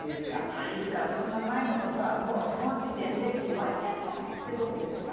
ですからそんな前のことはもうその時点で終わっちゃったってことですか。